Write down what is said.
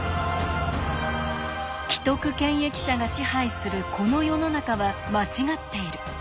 既得権益者が支配するこの世の中は間違っている。